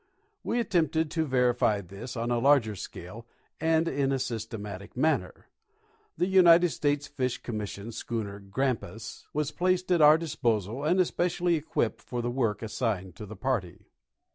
We attempted to verify this on a larger scale and in a systematic manner. The United States Fish Commission schooner Grampus was placed at our disposal and especially equipped for the work assigned to the party.